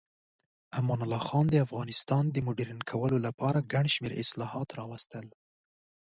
امان الله خان د افغانستان د مډرن کولو لپاره ګڼ شمیر اصلاحات راوستل.